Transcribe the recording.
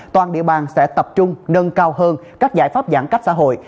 toàn địa bàn sẽ tập trung nâng cao hơn các giải pháp giãn cách xã hội